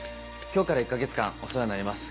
今日から１か月間お世話になります。